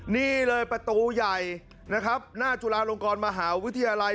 นี่เลยประตูใหญ่นะครับหน้าจุฬาลงกรมหาวิทยาลัย